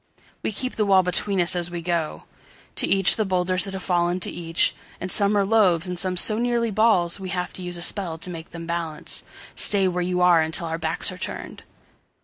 We keep the wall between us as we go. To each the boulders that have fallen to each. And some are loaves and some so nearly ballsWe have to use a spell to make them balance:"Stay where you are until our backs are turned!"